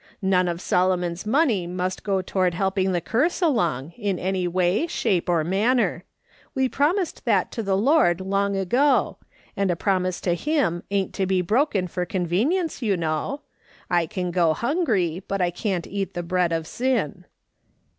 None of Solomon's money must go toward helping the curse along, in any way, shape, or manner. "NVe promised that to the Lord long ago ; and a promise to him ain't to be broken for conveni ence, you know. I can go hungry, but I can't eat the bread of sin."